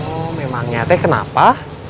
oh memangnya teh kenapa